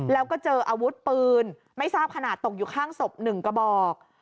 แล้วก็เจออาวุธปืนไม่ทราบขนาดตกอยู่ข้างศพ๑กระบอก